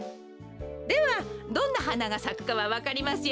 ではどんなはながさくかはわかりますよね？